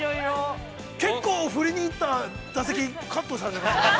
結構振りに行った打席、カットされていますね。